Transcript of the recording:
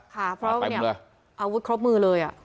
ค่ะเพราะเนี่ยอาวุธครบมือเลย